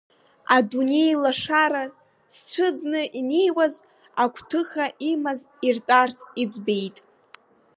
Адунеи лашара зцәыӡны инеиуаз, Агәҭыха имаз иртәарц иӡбеит.